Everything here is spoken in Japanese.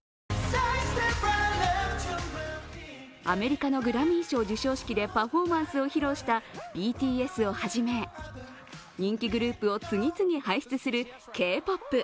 アメリカのグラミー賞授賞式でパフォーマンスを披露したＴＢＳをはじめ、人気グループを次々輩出するＫ−ＰＯＰ。